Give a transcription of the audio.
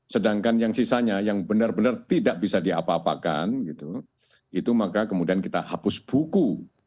sedangkan yang sisanya yang benar benar tidak bisa diapa apakan itu maka kemudian kita hapus buku